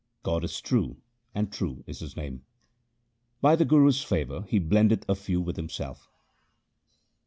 God is true, and true is His name. By the Guru's favour He blendeth a few with Himself.